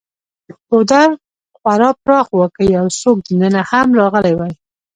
ګودر خورا پراخ و، که یو څوک دننه هم راغلی وای.